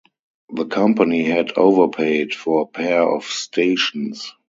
The company had overpaid for a pair of stations.